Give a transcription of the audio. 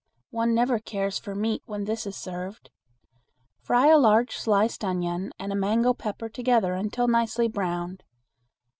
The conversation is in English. One never cares for meat when this is served. Fry a large sliced onion and a mango pepper together until nicely browned.